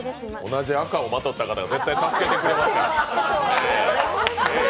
同じ赤をまとった方が絶対助けてくれますから。